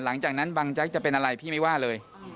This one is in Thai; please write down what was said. หลังจากนั้นบางแจ๊กจะเป็นอะไรพี่ไม่ว่าเลย